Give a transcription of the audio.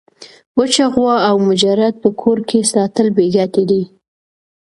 وچه غوا او مجرد په کور کي ساتل بې ګټي دي.